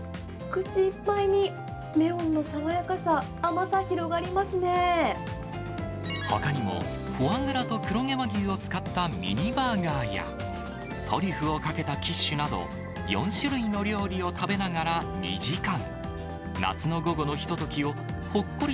口いっぱいにメロンの爽やかさ、ほかにも、フォアグラと黒毛和牛を使ったミニバーガーや、トリュフをかけたキッシュなど４種類の料理を食べながら２時間。